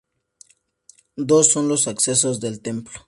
Dos son los accesos del templo.